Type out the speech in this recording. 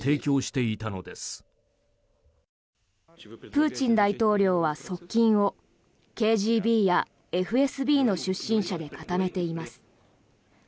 プーチン大統領は側近をＫＧＢやＦＳＢの出身者で固めています。